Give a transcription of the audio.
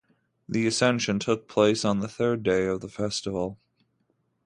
The ascension took place on the third day of the festival.